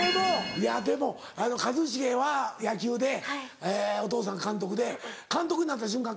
いやでも一茂は野球でお父さんが監督で監督になった瞬間